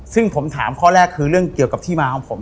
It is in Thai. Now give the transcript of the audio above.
ซึ่งผมถามข้อแรกคือเรื่องเกี่ยวกับที่มาของผม